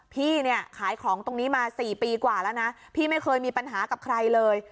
พี่เนี่ยขายของตรงนี้มา๔ปีกว่าแล้วนะพี่ไม่เคยมีปัญหากับใครเลย